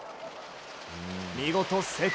見事、成功！